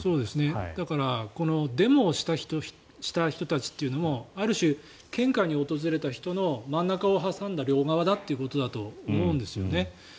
だからこのデモをした人たちというのもある種、献花に訪れた人の真ん中を挟んだ両側だということだと思うんですよね。